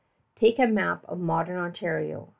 Take a map of modern Ontario.